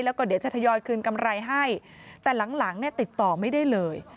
เดี๋ยวจะทยอยคืนกำไรให้แต่หลังติดต่อไม่ได้เลย